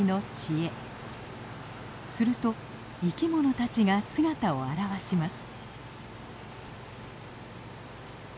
すると生き物たちが姿を現します。